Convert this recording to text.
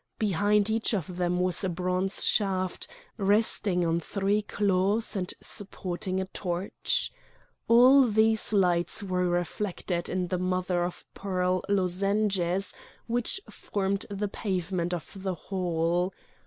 Behind each of them was a bronze shaft resting on three claws and supporting a torch. All these lights were reflected in the mother of pearl lozenges which formed the pavement of the hall.